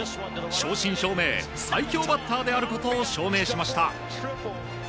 正真正銘、最強バッターであることを証明しました。